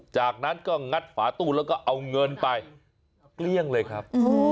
จากนั้นก็งัดฝาตู้แล้วก็เอาเงินไปเกลี้ยงเลยครับ